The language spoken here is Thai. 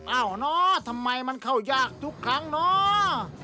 อ้าวเนอะทำไมมันเข้ายากทุกครั้งเนาะ